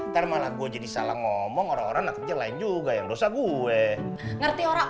termalah gue jadi salah ngomong orang orang ngerjain juga yang dosa gue ngerti orang